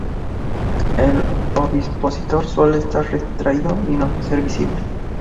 El ovipositor suele estar retraído y no ser visible.